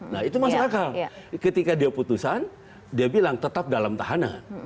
nah itu masuk akal ketika dia putusan dia bilang tetap dalam tahanan